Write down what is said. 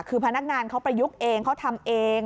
คือพนักงานเขาประยุกต์เองเขาทำเอง